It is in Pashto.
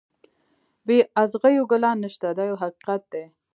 بې اغزیو ګلان نشته دا یو حقیقت دی.